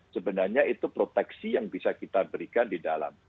sebenarnya itu proteksi yang bisa kita berikan di dalam